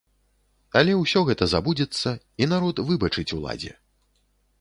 Але ўсё гэта забудзецца і народ выбачыць уладзе.